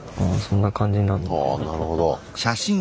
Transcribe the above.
ああなるほど。